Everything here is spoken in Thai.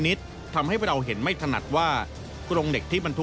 สุดที่เราสังเกต